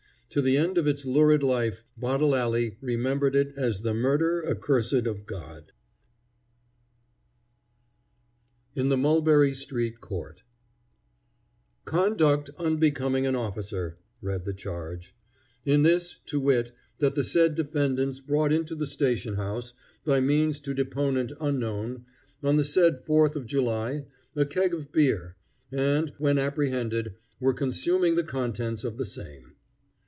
To the end of its lurid life Bottle Alley remembered it as the murder accursed of God. IN THE MULBERRY STREET COURT "Conduct unbecoming an officer," read the charge, "in this, to wit, that the said defendants brought into the station house, by means to deponent unknown, on the said Fourth of July, a keg of beer, and, when apprehended, were consuming the contents of the same."